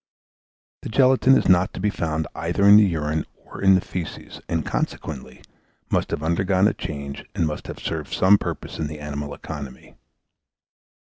The gelatine is not to be found either in the urine or in the faeces, and consequently must have undergone a change, and must have served some purpose in the animal economy.